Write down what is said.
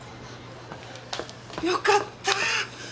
よかった。